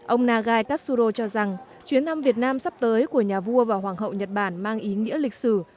ông naga tatsuro cho rằng chuyến thăm việt nam sắp tới của nhà vua và hoàng hậu nhật bản mang ý nghĩa lịch sử